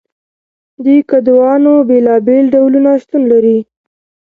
د کدوانو بیلابیل ډولونه شتون لري.